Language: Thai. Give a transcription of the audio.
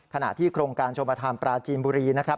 ขณะที่โครงการชมประธานปราจีนบุรีนะครับ